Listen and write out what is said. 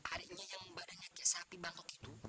adiknya yang badannya kaya sapi bangkot itu